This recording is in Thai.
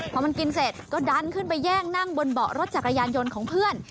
พอมันกินเสร็จก็ดันขึ้นไปแย่งนั่งบนเบาะรถจักรยานยนต์ของเพื่อน